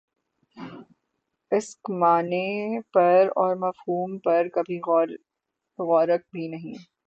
اسک معانی پر اور مفہوم پر کبھی غورک بھی نہیں